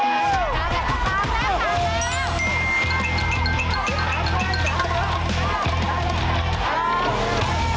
อีกแล้ว